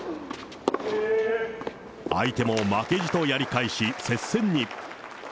相手も負けじとやり返し、接戦に。